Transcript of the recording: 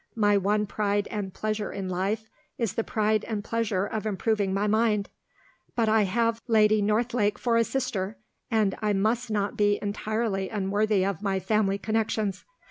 My one pride and pleasure in life is the pride and pleasure of improving my mind. But I have Lady Northlake for a sister; and I must not be entirely unworthy of my family connections.